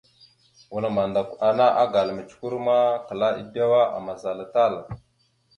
Wal mandakw ana agala mʉcəkœr ma klaa edewa amaza tal.